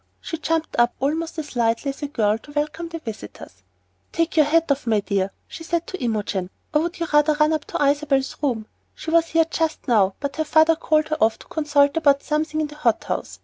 She jumped up almost as lightly as a girl to welcome the visitors. "Take your hat off, my dear," she said to Imogen, "or would you rather run up to Isabel's room? She was here just now, but her father called her off to consult about something in the hot house.